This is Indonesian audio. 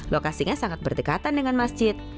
lokasinya sangat berdekatan dengan masjid